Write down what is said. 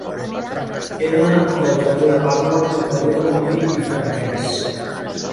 He d'anar del carrer de Pàdua al carrer de Martí i Franquès.